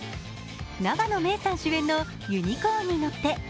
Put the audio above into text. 永野芽郁さん主演の「ユニコーンに乗って」。